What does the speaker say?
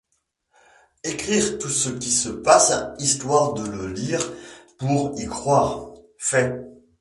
Écrire tout ce qui se passe histoire de le lire pour y croire : fait.